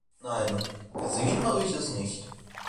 Nein, gesehen habe ich es nicht.